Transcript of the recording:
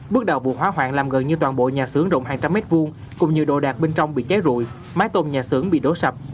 bước đầu vụ hỏa hoạn làm gần như toàn bộ nhà xưởng rộng hàng trăm mét vuông cũng như đồ đạc bên trong bị cháy rụi mái tôm nhà xưởng bị đổ sập